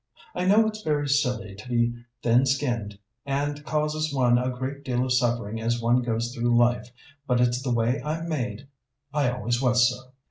I know it's very silly to be thin skinned, and causes one a great deal of suffering as one goes through life, but it's the way I'm made. I always was so."